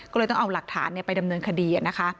ก็เลยต้องเอาหลักฐานไปดำเนินคดีนะคะ